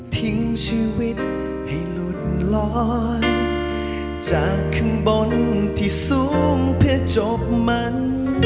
ทิ้งชีวิตให้หลุดลอยจากข้างบนที่สูงเพื่อจบมัน